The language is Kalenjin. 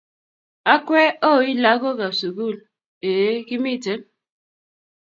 "Akwe oi lagookab sugul?"Eeh kimiten